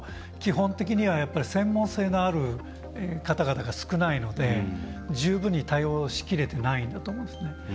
基本的には、専門性のある方々が少ないので、十分に対応しきれてないんだと思うんですね。